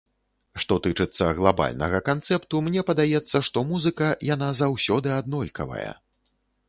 Што тычыцца глабальнага канцэпту, мне падаецца, што музыка, яна заўсёды аднолькавая.